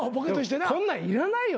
こんなんいらないよ